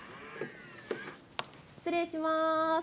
失礼します。